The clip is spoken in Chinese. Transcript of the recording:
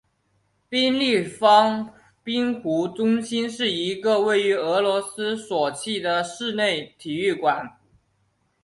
冰立方冰壶中心是一个位于俄罗斯索契的室内体育馆。